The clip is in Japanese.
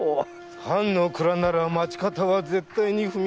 藩の蔵なら町方は絶対に踏み込めぬ。